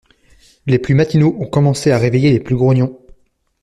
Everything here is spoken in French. Les plus matinaux ont commencé à réveiller les plus grognons.